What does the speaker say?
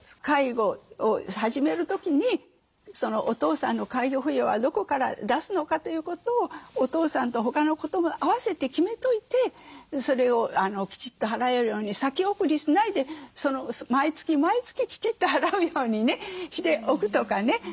介護を始める時にお父さんの介護費用はどこから出すのかということをお父さんと他のことも併せて決めといてそれをきちっと払えるように先送りしないで毎月毎月きちっと払うようにねしておくとかね。